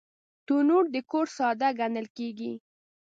تنور د کور ساه ګڼل کېږي